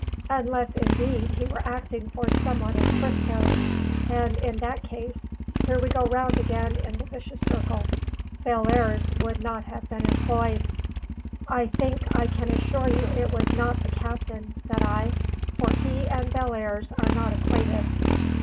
Unless, indeed, he were acting for some one in 'Frisco; and in that case here we go round again in the vicious circle Bellairs would not have been employed." "I think I can assure you it was not the captain," said I; "for he and Bellairs are not acquainted."